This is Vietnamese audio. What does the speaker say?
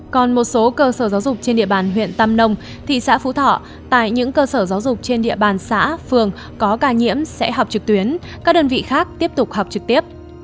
còn một số cơ sở giáo dục trên địa bàn huyện tam nông thị xã phú thọ tại những cơ sở giáo dục trên địa bàn xã phường có ca nhiễm sẽ học trực tuyến các đơn vị khác tiếp tục học trực tiếp